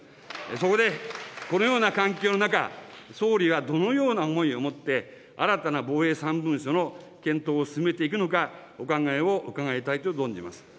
そこでこのような環境の中、総理はどのような思いを持って、新たな防衛三文書の検討を進めていくのか、お考えを伺いたいと存じます。